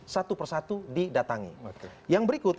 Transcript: satu persatu didatangi yang berikut